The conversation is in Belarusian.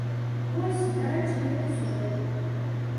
Вось, дарэчы, гэты сюжэт.